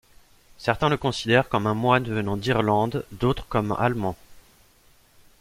Certains le considèrent comme un moine venant d'Irlande, d'autres comme allemand.